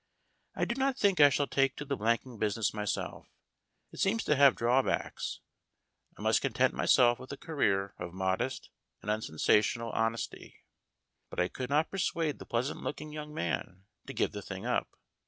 I do not think I shall take to the blanking business myself. It seems to have drawbacks. I must content myself with a career of modest and unsensational hon esty. But I could not persuade the pleasant looking young man to give the thing up.